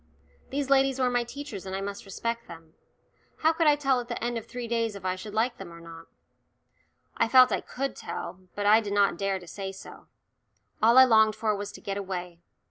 These ladies were my teachers and I must respect them. How could I tell at the end of three days if I should like them or not? I felt I could tell, but I did not dare to say so. All I longed for was to get away.